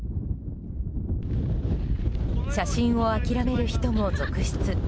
写真を諦める人も続出。